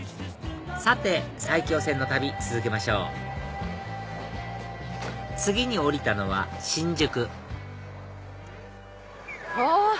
さて埼京線の旅続けましょう次に降りたのは新宿うわ！